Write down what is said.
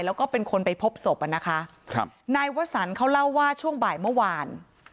แล้วก็เป็นคนไปพบศพอ่ะนะคะครับนายวสันเขาเล่าว่าช่วงบ่ายเมื่อวาน